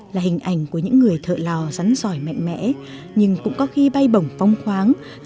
là hình ảnh của những người thợ lò rắn giỏi mạnh mẽ nhưng cũng có khi bay bổng phong khoáng